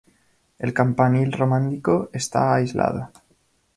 El campanil románico está aislado.